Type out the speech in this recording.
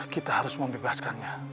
kita harus membebaskannya